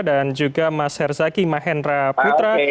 dan juga mas herzaki mahendra putra